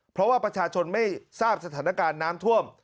เพราะว่าประชาชนไม่ทราบสถานการณ์น้ำท่วม